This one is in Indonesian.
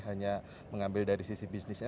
hanya mengambil dari sisi bisnisnya